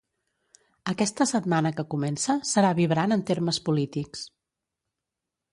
Aquesta setmana que comença serà vibrant en termes polítics.